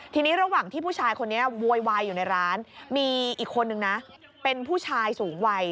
ทีนี้ระหว่างที่ผู้ชายคนนี้โวยวายอยู่ในร้านมีอีกคนนึงนะเป็นผู้ชายสูงวัย